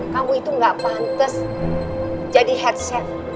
kamu itu gak pantes jadi head chef